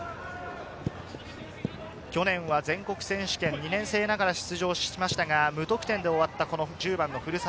去年は全国選手権２年生ながら出場しましたが無得点で終わった古澤。